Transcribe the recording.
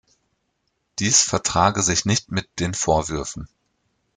Dies vertrage sich nicht mit den Vorwürfen.